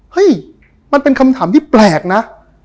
เฮ้ยมันเป็นคำถามที่แปลกนะ